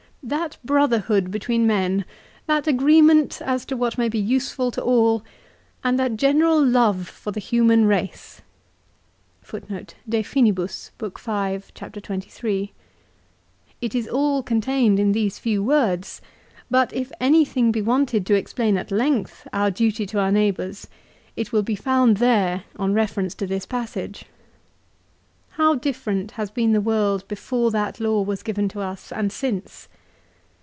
" That brotherhood between men, that agreement as to what may be useful to all, and that general; love for the human race !" 1 It is all contained in these few words, but if anything be wanted to explain at length our duty to our neighbours it will be found there on reference to this passage. How different has been the world before that law was given to us and since!